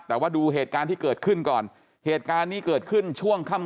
แต่ว่าดูเหตุการณ์ที่เกิดขึ้นก่อนเหตุการณ์นี้เกิดขึ้นช่วงค่ำ